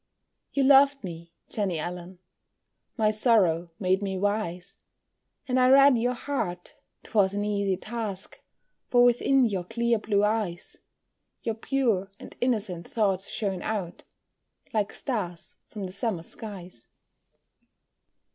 You loved me, Jenny Allen, My sorrow made me wise; And I read your heart, 'twas an easy task, For within your clear blue eyes, Your pure and innocent thoughts shone out Like stars from the summer skies.